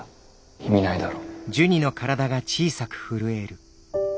意味ないだろ。